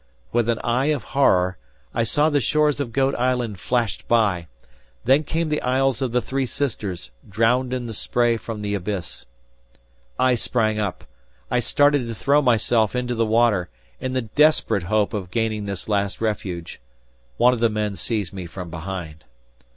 With an eye of horror, I saw the shores of Goat Island flashed by, then came the Isles of the Three Sisters, drowned in the spray from the abyss. I sprang up; I started to throw myself into the water, in the desperate hope of gaining this last refuge. One of the men seized me from behind.